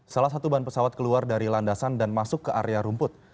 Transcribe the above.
salah satu ban pesawat keluar dari landasan dan masuk ke area rumput